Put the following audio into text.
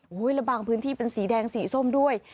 โอ้โหแล้วบางพื้นที่เป็นสีแดงสีส้มด้วย